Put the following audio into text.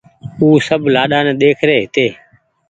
او سب لآڏآ ني ۮيک رهي هيتي